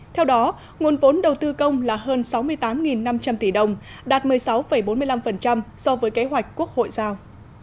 theo đó nguồn vốn đầu tư công là hơn sáu mươi tám năm trăm linh tỷ đồng đạt một mươi sáu bốn mươi năm so với kế hoạch quốc hội giao